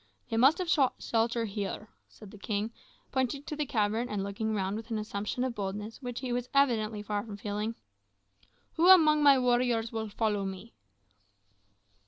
"They must have sought shelter here," said the king, pointing to the cavern and looking round with an assumption of boldness which he was evidently far from feeling. "Who among my warriors will follow me?"